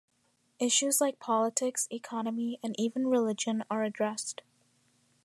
Issues like politics, economy, and even religion are addressed.